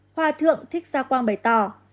hòa thượng thích giang quang bày tỏ